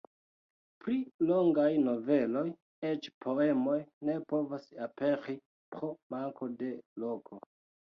Pli longaj noveloj, eĉ poemoj ne povas aperi pro manko de loko.